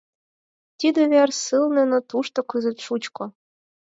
Тиде вер сылне, но тушто кызыт шучко!